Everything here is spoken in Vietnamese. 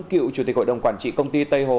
cựu chủ tịch hội đồng quản trị công ty tây hồ